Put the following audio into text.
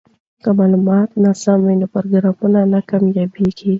که معلومات ناسم وي نو پروګرام ناکامیږي.